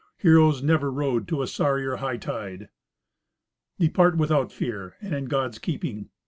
Heroes never rode to a sorrier hightide." "Depart without fear, and in God's keeping.